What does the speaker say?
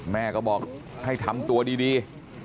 แม่ก็บอกให้ทำตัวดี